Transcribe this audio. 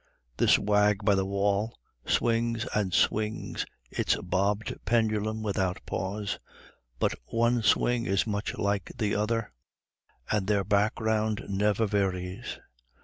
This wag by the wall swings and swings its bobbed pendulum without pause, but one swing is much like the other, and their background never varies.